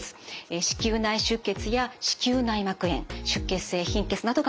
子宮内出血や子宮内膜炎出血性貧血などが起こったとのことです。